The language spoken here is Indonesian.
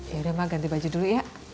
yaudah mah ganti baju dulu ya